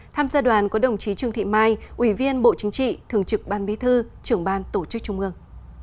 tham gia đoàn có đồng chí trương thị mai ủy viên bộ chính trị thường trực ban bí thư trưởng ban tổ chức trung ương